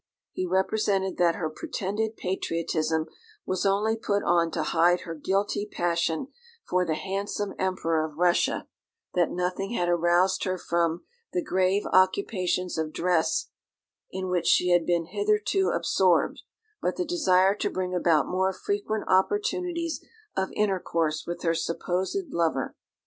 He represented that her pretended patriotism was only put on to hide her guilty passion for "the handsome Emperor of Russia," that nothing had aroused her from "the grave occupations of dress, in which she had been hitherto absorbed," but the desire to bring about more frequent opportunities of intercourse with her supposed lover.